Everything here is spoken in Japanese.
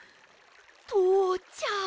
とうちゃく。